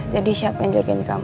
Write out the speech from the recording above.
jadi siapa yang jagain kamu